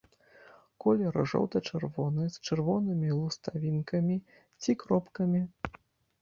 Колер жоўта-чырвоны, з чырвонымі лускавінкамі ці кропкамі.